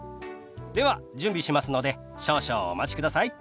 では準備しますので少々お待ちください。